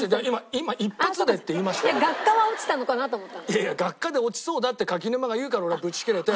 いやいや「学科で落ちそうだ」って柿沼が言うから俺はブチギレて。